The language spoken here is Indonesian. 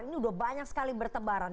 ini udah banyak sekali bertebaran